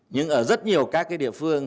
nhưng ở rất nhiều các địa phương